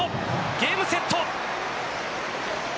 ゲームセット。